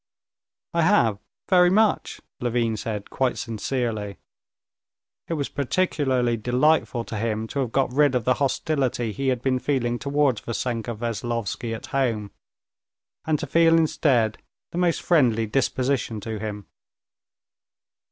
"I have, very much," Levin said quite sincerely. It was particularly delightful to him to have got rid of the hostility he had been feeling towards Vassenka Veslovsky at home, and to feel instead the most friendly disposition to him.